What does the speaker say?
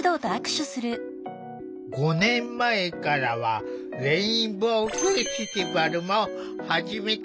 ５年前からはレインボーフェスティバルも始めた。